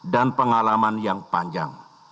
dan pengalaman yang panjang